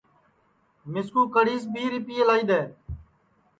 مِسکُو کڑھیس بھی رِپئے لائی دؔے